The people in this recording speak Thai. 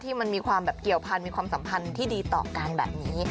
มันมีความแบบเกี่ยวพันธ์มีความสัมพันธ์ที่ดีต่อกันแบบนี้